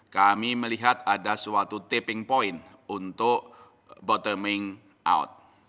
kami melihat ada suatu tapping point untuk bottoming out